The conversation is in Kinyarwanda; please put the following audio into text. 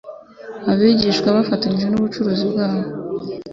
Abigishwa bafatanije n'Umucunguzi wabo,